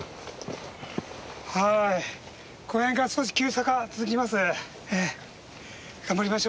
はいこの辺から少し急坂が続きます。